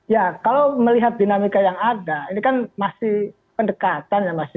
ya kalau melihat dinamika yang ada ini kan masih pendekatan ya mas